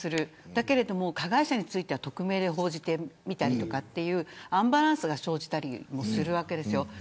だけど加害者については匿名で報じているというアンバランスが生じていたりもするわけです。